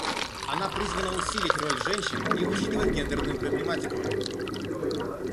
Она призвана усилить роль женщин и учитывать гендерную проблематику.